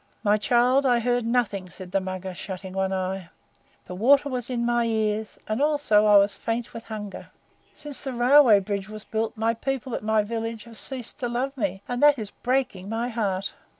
"My child, I heard nothing," said the Mugger, shutting one eye. "The water was in my ears, and also I was faint with hunger. Since the railway bridge was built my people at my village have ceased to love me; and that is breaking my heart."